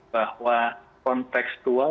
bahwa konteks tua